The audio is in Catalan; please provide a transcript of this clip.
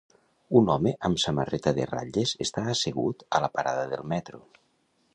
Un home amb samarreta de ratlles està assegut a la parada del metro.